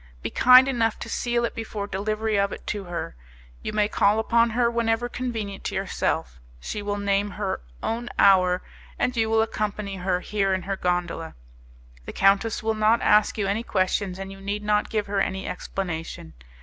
Be kind enough to seal it before delivery of it to her. You may call upon her whenever convenient to yourself. She will name her own hour, and you will accompany her here in her gondola. The countess will not ask you any questions, and you need not give her any explanation.